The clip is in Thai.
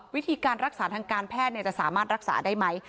วิธีการรักษาทางการแพทย์จะสามารถรักษาได้ไหม